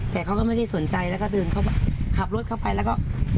แต่เขาก็ไม่ได้สนใจแล้วก็เดินเข้าไปขับรถเข้าไปแล้วก็